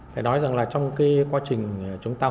phải nói rằng là trong cái quá trình chúng ta hồi nãy